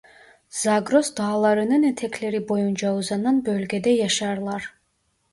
Zagros Dağları'nın etekleri boyunca uzanan bölgede yaşarlar.